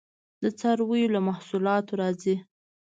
د څارویو له محصولاتو راځي